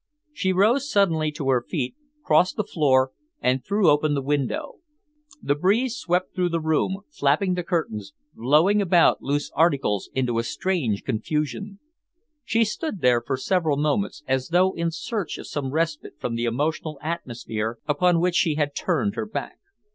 She rose suddenly to her feet, crossed the floor, and threw open the window. The breeze swept through the room, flapping the curtains, blowing about loose articles into a strange confusion. She stood there for several moments, as though in search of some respite from the emotional atmosphere upon which she had turned her back.